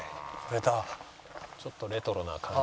ちょっとレトロな感じ。